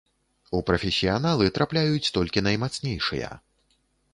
У прафесіяналы трапляюць толькі наймацнейшыя.